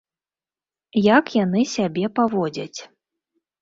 Як яны сябе паводзяць.